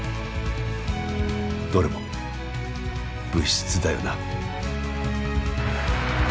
どれも「物質」だよな。